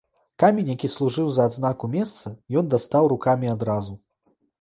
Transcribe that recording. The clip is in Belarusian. Камень, які служыў за адзнаку месца, ён дастаў рукамі адразу.